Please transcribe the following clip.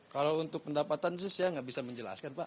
kalau untuk pendapatan sih saya nggak bisa menjelaskan pak